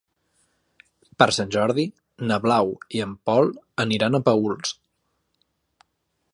Per Sant Jordi na Blau i en Pol aniran a Paüls.